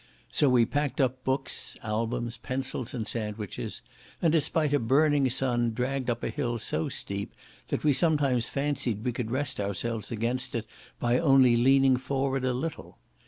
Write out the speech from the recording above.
So we packed up books, albums, pencils, and sandwiches, and, despite a burning sun, dragged up a hill so steep that we sometimes fancied we could rest ourselves against it by only leaning forward a little.